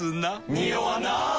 ニオわない！